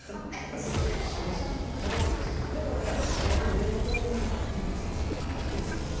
左の上のほうにいるんです、確実に。